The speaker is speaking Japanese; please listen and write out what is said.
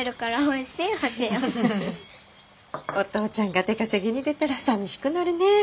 お父ちゃんが出稼ぎに出たらさみしくなるねぇ。